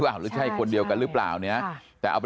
แต่มันต้องไปดูเชิงลึกด้วยนะครับ